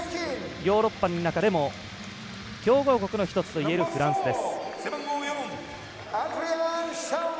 ヨーロッパの中でも強豪国の１つといえるフランスです。